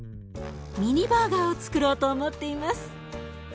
ミニバーガーをつくろうと思っています。